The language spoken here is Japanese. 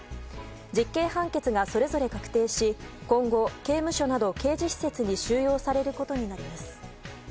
実刑判決がそれぞれ確定し今後、刑務所など刑事施設に収容されることになります。